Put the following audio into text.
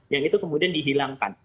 yang itu kemudian dihilangkan